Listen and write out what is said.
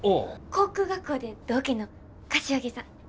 航空学校で同期の柏木さん。